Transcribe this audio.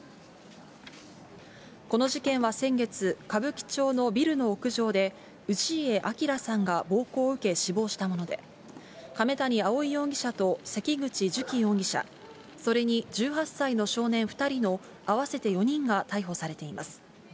この事件は先月、歌舞伎町のビルの屋上で、氏家彰さんが暴行を受け死亡したもので、亀谷蒼容疑者と関口寿喜容疑者、それに１８歳の少年２人の合わせて４人が逮捕されています。